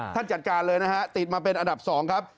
จัดการเลยนะฮะติดมาเป็นอันดับ๒ครับ